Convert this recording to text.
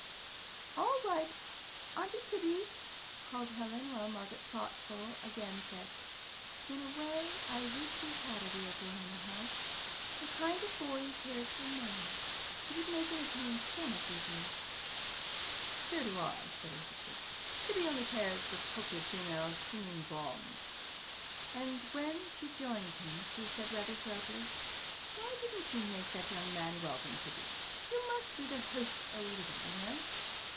"All right, Auntie Tibby," called Helen, while Margaret, thoughtful again, said: "In a way, I wish we had a real boy in the house the kind of boy who cares for men. It would make entertaining so much easier." "So do I," said her sister. "Tibby only cares for cultured females singing Brahms." And when they joined him she said rather sharply: "Why didn't you make that young man welcome, Tibby? You must do the host a little, you know.